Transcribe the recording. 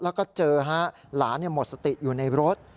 แล้วก็เจอฮะหลานหมดสติอยู่ในรถ